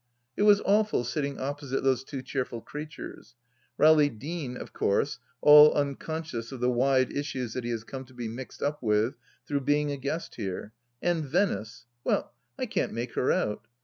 It was awful sitting opposite those two cheerful creatures. Rowley Deane, of course, all unconscious of the wide issues that he has come to be mixed up with through being a guest here, and Venice — well, I can't make her out